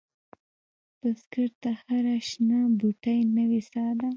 بزګر ته هره شنه بوټۍ نوې سا ده